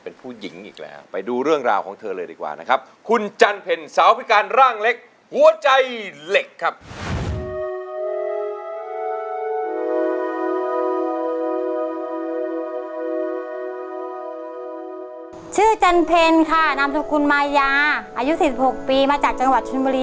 เป็นผู้หญิงอีกแล้ว